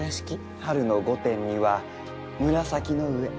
春の御殿には紫の上。